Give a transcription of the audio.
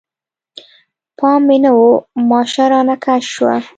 پام مې نه و، ماشه رانه کش شوه.